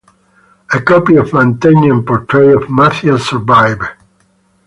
A copy of Mantegna's portrait of Matthias survived.